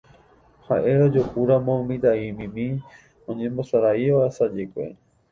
Ha'e ojuhúramo mitã'imimi oñembosaráiva asajekue